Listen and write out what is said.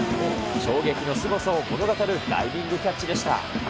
衝撃のすごさを物語る、ダイビングキャッチでした。